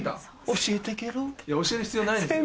教える必要ないですよ。